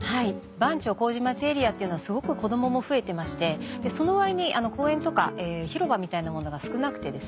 番町麹町エリアっていうのはすごく子供も増えてましてその割に公園とか広場みたいなものが少なくて。